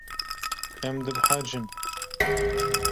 Em dibehecin.